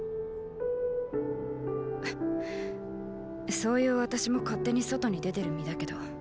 フッそういう私も勝手に外に出てる身だけど。